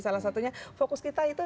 salah satunya fokus kita itu